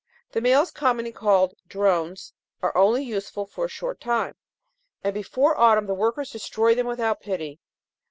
The males, commonly called drones, are only useful for a short time, and before autumn the workers destroy them without pity.